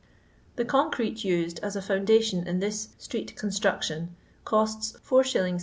The concrete used as a foundation in this street construction costs is, 6(2.